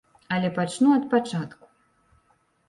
Але пачну ад пачатку.